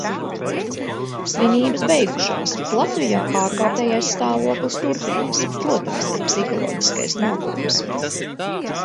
Svinības beigušās, Latvijā ārkārtējais stāvoklis turpinās. Protams, ir psiholoģiskais nogurums.